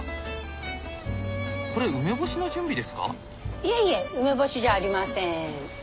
いえいえ梅干しじゃありません。